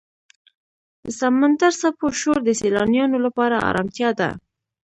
د سمندر څپو شور د سیلانیانو لپاره آرامتیا ده.